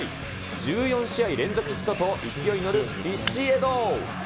１４試合連続ヒットと勢いに乗るビシエド。